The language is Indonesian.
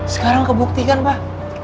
sekarang kebuktikan pak